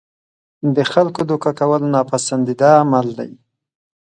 د خلکو دوکه کول ناپسندیده عمل دی.